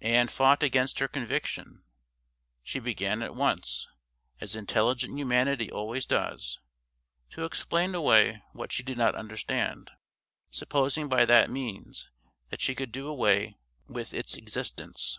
Ann fought against her conviction. She began at once, as intelligent humanity always does, to explain away what she did not understand, supposing by that means that she could do away with its existence.